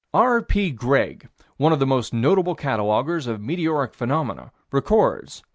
R.P. Greg, one of the most notable of cataloguers of meteoritic phenomena, records (_Phil.